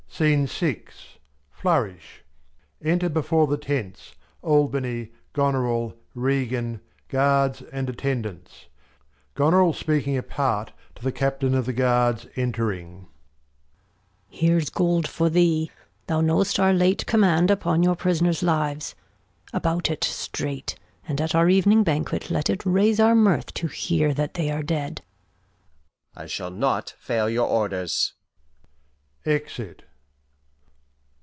Flourish. Enter before the Tents, Albany, Goneril, Regan, Guards and Attendants ; Goneril speaking apart to the Captain of the Guards entring. Gon. Here's Gold for thee, thou know'st our late Command Upon your Pris'ners Lives ; about it streight, and at Our Ev'ning Banquet let it raise our Mirth, To hear that they are dead. Capt. I shall not fail your Orders. {Exit.